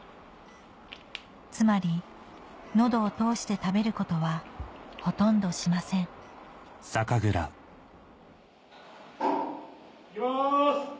つまり喉を通して食べることはほとんどしませんいきます！